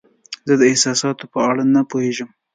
زه د احساساتو په اړه نه پوهیږم.